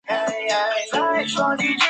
白川乡是指岐阜县内的庄川流域。